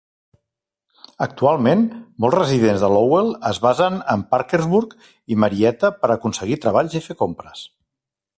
Actualment, molts residents de Lowell es basen en Parkersburg i Marietta per aconseguir treballs i fer compres.